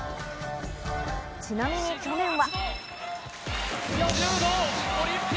ちなみに去年は。